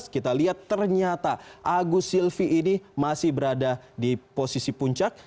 kita lihat ternyata agus silvi ini masih berada di posisi puncak